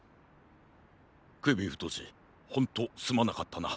くびふとしほんとすまなかったな。